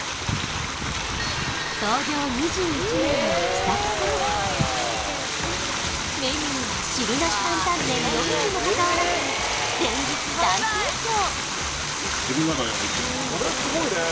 創業２１年のきさくさんメニューは汁なし担々麺のみにもかかわらず連日大盛況！